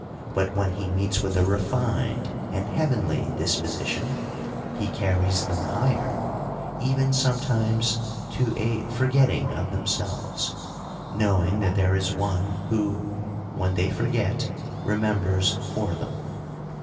But when he meets with a refined and heavenly disposition, he carries them higher, even some times to a forgetting of themselves ; knowing that there is one who, when they forget, remembers for them.